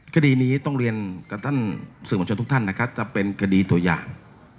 คดีนี้ต้องเรียนกับท่านสื่อมวลชนทุกท่านนะครับจะเป็นคดีตัวอย่าง